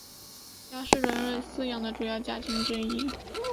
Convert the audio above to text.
鸭是人类饲养的主要家禽之一。